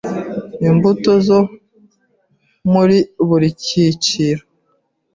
imbuto zo muri buri cyiciro,